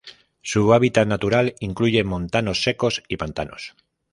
Su hábitat natural incluye montanos secos y pantanos.